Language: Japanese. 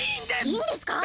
いいんですか！？